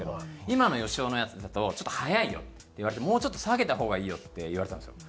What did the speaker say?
「今のよしおのやつだとちょっと速いよ」って言われて「もうちょっと下げた方がいいよ」って言われたんですよ。